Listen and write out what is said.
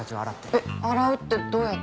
えっ洗うってどうやって？